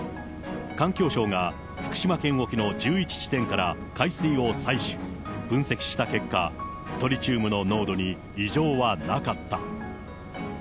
環境省が福島県沖の１１地点から海水を採取、分析した結果、トリチウムの濃度に異常はなかった。